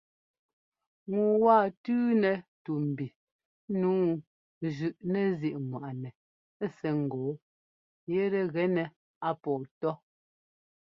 Ŋu waa tʉ́nɛ tú mbi nǔu zʉꞌnɛzíꞌŋwaꞌnɛ sɛ́ ŋ́gɔɔ yɛtɛ gɛnɛ a pɔɔ tɔ́.